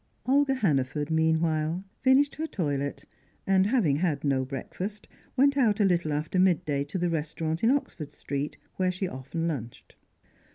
Olga Hannaford, meanwhile, finished her toilet, and, having had no breakfast, went out a little after midday to the restaurant in Oxford Street where she often lunched.